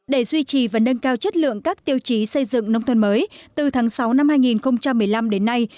để duy trì và nâng cao chất lượng các tiêu chí xây dựng nông thôn mới từ tháng sáu năm hai nghìn một mươi năm đến nay